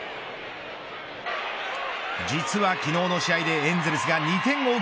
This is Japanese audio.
実は昨日の試合でエンゼルスが２点を追う